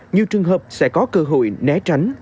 nhiều trường hợp sẽ có cơ hội né tránh